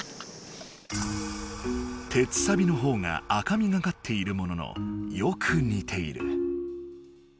鉄サビの方が赤みがかっているもののよくにている。